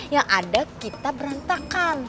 yang ada kita berantakan